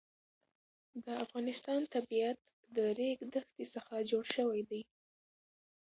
د افغانستان طبیعت له د ریګ دښتې څخه جوړ شوی دی.